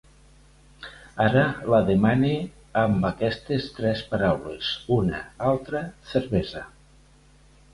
Ara la demana amb aquestes tres paraules: una, altra, cervesa.